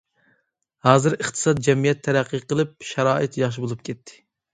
ھازىر ئىقتىساد، جەمئىيەت تەرەققىي قىلىپ، شارائىت ياخشى بولۇپ كەتتى.